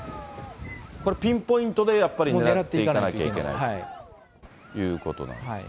これ、ピンポイントでやっぱり狙っていかなきゃいけない。ということなんですね。